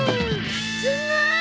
すごーい！